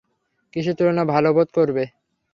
কীসের তুলনায় ভালো বোধ করব?